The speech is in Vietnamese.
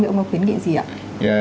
liệu ông có khuyến nghị gì ạ